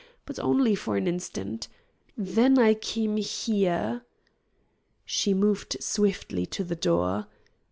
But only for an instant. Then I came here." She moved swiftly to the door.